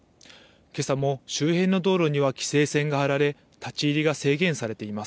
けさも周辺の道路には規制線が張られ、立ち入りが制限されています。